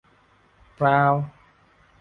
เปล่า